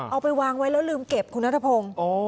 เอาไปวางไว้แล้วลืมเก็บคุณนัทพงศ์